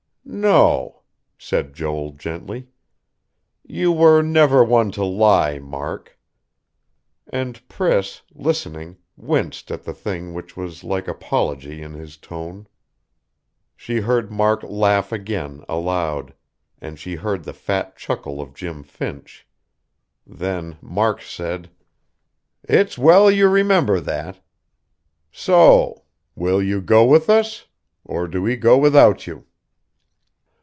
"No," said Joel gently. "You were never one to lie, Mark." And Priss, listening, winced at the thing that was like apology in his tone. She heard Mark laugh again, aloud; and she heard the fat chuckle of Jim Finch. Then Mark said: "It's well you remember that. So.... Will you go with us; or do we go without you?"